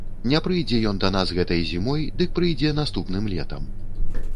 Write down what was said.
Не прыйдзе ён да нас гэтай зімой, дык прыйдзе наступным летам.